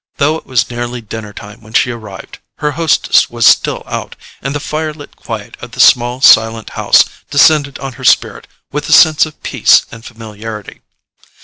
Though it was nearly dinner time when she arrived, her hostess was still out, and the firelit quiet of the small silent house descended on her spirit with a sense of peace and familiarity.